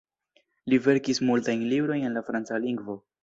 Li verkis multajn librojn en la franca lingvo.